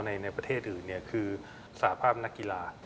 ในประเทศอื่นคือสาภาพนักกีฬา